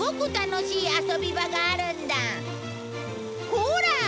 ほら！